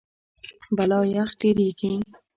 بالا یخ ډېریږي.